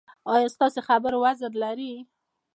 ایا ستاسو خبره وزن لري؟